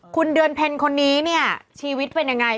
คุณเดือนเพ็ญคนนี้เนี่ยชีวิตเป็นยังไง